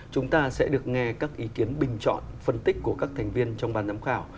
chúng ta sẽ được nghe các ý kiến bình chọn phân tích của các thành viên trong ban giám khảo